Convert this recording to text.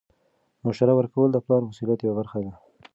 مشوره ورکول د پلار د مسؤلیت یوه برخه ده.